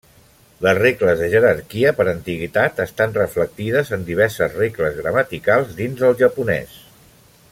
Les regles de jerarquia per antiguitat estan reflectides en diverses regles gramaticals dins del japonès.